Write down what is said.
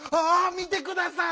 見てください！